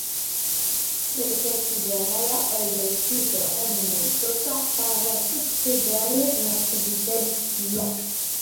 Se le consideraba el delfín de Ramón Mendoza para sucederle en la presidencia.